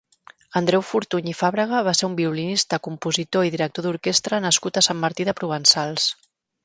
Andreu Fortuny i Fàbrega va ser un violinista, compositor i director d'orquestra nascut a Sant Martí de Provençals.